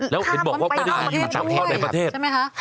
แล้วเห็นบอกบอกว่าได้อยู่ทั่วกลุ่มในประเทศ